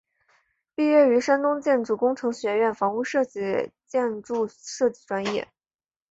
毕业于山东建筑工程学院房屋建筑设计专业。